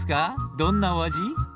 どんなお味？